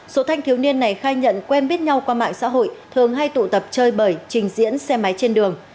số thanh thiếu niên này khai nhận quen biết nhau qua mạng xã hội thường hay tụ tập chơi bẩi trình diễn xe máy trên đường